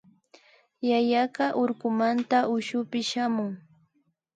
Yayaka urkumanta ushupi shamun